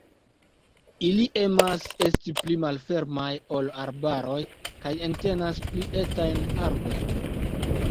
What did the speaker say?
Ili emas esti pli malfermaj ol arbaroj kaj entenas pli etajn arbojn.